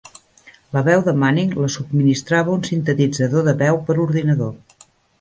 La veu de Manning la subministrava un sintetitzador de veu per ordinador.